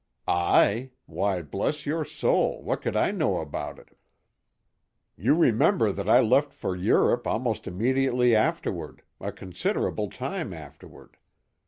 "I? Why, bless your soul, what could I know about it? You remember that I left for Europe almost immediately afterward—a considerable time afterward.